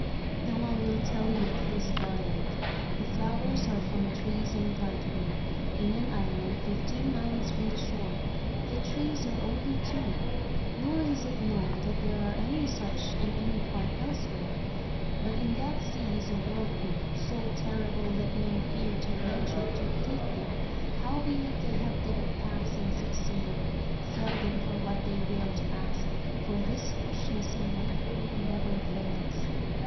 Now I will tell you of this garland : the flowers are from trees in Tartary, in an island fifteen xniles fron. the shore ; the treJaxe only two, nor is it known that there are any such in any part elsewhere ; but in that sea is a whirlpool, so terrible that men fear to venture to take them, howbeit they that have dared pass and succeeded, sell them for what they will to ask, for this freshness and life green never fails.